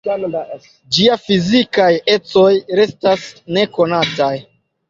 Ĝia fizikaj ecoj restas nekonataj.